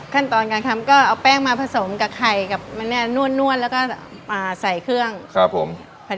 ขั้นตอนการทำก็เอาแป้งมาผสมกับไข่กับมันเนี่ยนวดแล้วก็ใส่เครื่องครับผม